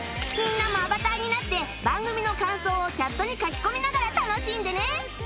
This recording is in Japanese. みんなもアバターになって番組の感想をチャットに書き込みながら楽しんでね